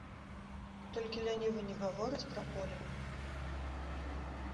Толькі лянівы не гаворыць пра поле!